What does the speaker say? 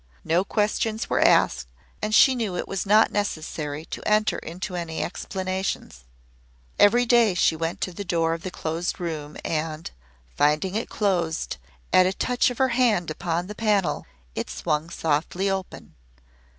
No questions were asked and she knew it was not necessary to enter into any explanations. Every day she went to the door of the Closed Room and, finding it closed, at a touch of her hand upon the panel it swung softly open.